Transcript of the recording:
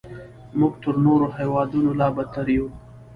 موږ تر نورو هیوادونو لا بدتر یو.